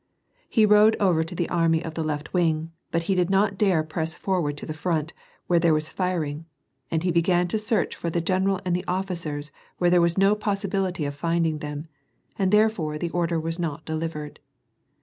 . He rode over to the army of the left wing, but he did not dare press forward to the front, where there was firing, and he began to search for the general and the officers where there was no possibility of finding them, and therefore the order was not delivered.